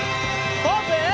ポーズ！